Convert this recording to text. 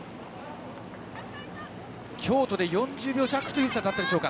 京都で４０秒弱という差でしょうか。